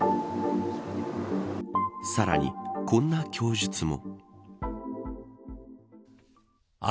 さらに、こんな供述も。